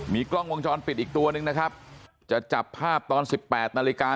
มีกล้องวงจรปิดอีกตัวนึงนะครับจะจับภาพตอนสิบแปดนาฬิกา